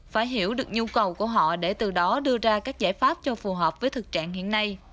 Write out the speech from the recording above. phải hiểu được nhu cầu của họ để từ đó đưa ra các giải pháp cho phù hợp với thực trạng hiện nay